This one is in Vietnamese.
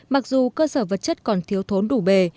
mặc dù cơ sở vật chất còn thiếu thốn đủ bề